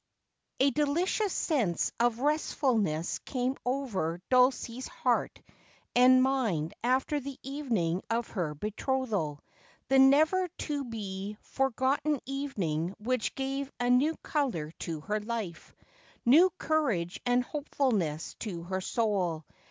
A delicious sense of restfulness came over Dulcie's hcirt and mind after the evening of her betrothal, the never to be for gotten evening which gave a new colour to her life, new courage and hopefulness to her soul.